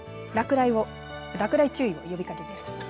落雷注意を呼びかけています。